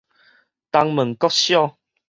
東門國小